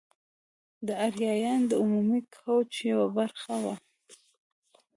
د آریایانو د عمومي کوچ یوه برخه وه.